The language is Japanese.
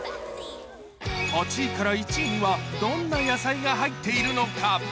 ８位から１位にはどんな野菜が入っているのか？